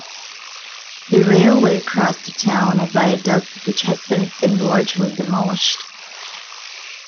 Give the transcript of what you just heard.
The railway crossed the town on a viaduct which has since been largely demolished.